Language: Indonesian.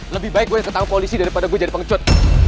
lebih baik gue ditangkap polisi daripada gue jadi pengecut